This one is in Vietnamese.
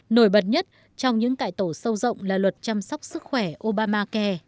nổi bật nhất trong những cải tổ sâu rộng là luật chăm sóc sức khỏe obamacai